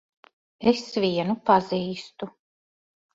Es vienu pazīstu.